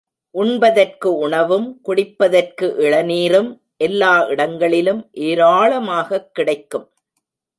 உண்பதற்கு உணவும், குடிப்பதற்கு இளநீரும் எல்லா இடங்களிலும் ஏராளமாகக் கிடைக்கும்.